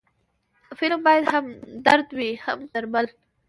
فلم باید هم درد وي، هم درمل